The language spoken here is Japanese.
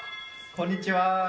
こんにちは！